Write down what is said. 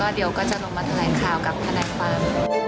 เดี๋ยวก็จะลงมาแถลงค่าวกับพนักบ้าน